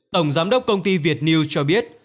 tổng giám đốc công ty việt news cho biết